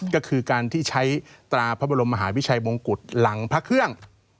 ก็คือการที่ใช้ตราพระบรมมหาวิชัยมงกุฎหลังพระเครื่อง